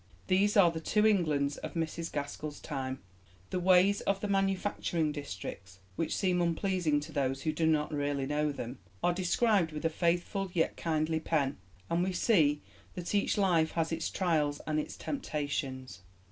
These are the two Englands of Mrs Gaskell's time. The ways of the manufacturing districts, which seem unpleasing to those who do not really know them, are described with a faithful yet kindly pen, and we see that each life has its trials and its temptations.